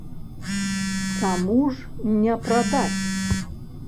Чаму ж не прадаць?